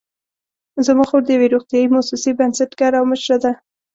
زما خور د یوې روغتیايي مؤسسې بنسټګره او مشره ده